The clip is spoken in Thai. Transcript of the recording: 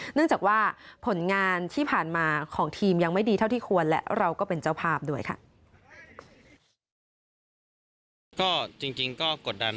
เนื่องจากว่าผลงานที่ผ่านมาของทีมยังไม่ดีเท่าที่ควรและเราก็เป็นเจ้าภาพด้วยค่ะ